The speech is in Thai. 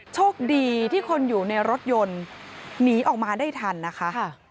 โชคดีที่คนอยู่ในรถยนต์หนีออกมาได้ทันนะคะ